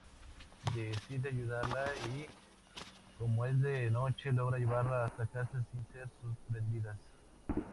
Decide ayudarla y, como es de noche, logra llevarla hasta casa sin ser sorprendidas.